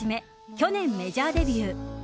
去年、メジャーデビュー。